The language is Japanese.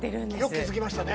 よく気付きましたね。